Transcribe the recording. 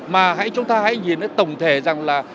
mà hãy chúng ta hãy nhìn đến tổng thể rằng là